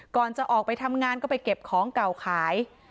ก่อนจะออกไปทำงานก็ไปเก็บของเก่าขาย